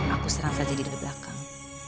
aku serang saja diri dari belakang